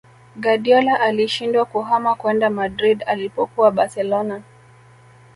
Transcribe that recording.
Guardiola alishindwa kuhama kwenda Madrid alipokuwa Barcelona